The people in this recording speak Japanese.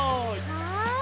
はい。